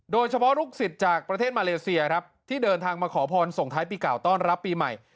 ลูกศิษย์จากประเทศมาเลเซียครับที่เดินทางมาขอพรส่งท้ายปีเก่าต้อนรับปีใหม่